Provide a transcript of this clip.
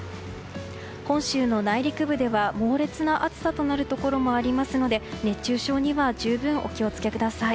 本州の内陸部では猛烈な暑さとなるところもありそうなので熱中症には十分お気をつけください。